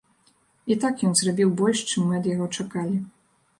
І так, ён зрабіў больш, чым мы ад яго чакалі.